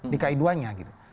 dki ii nya gitu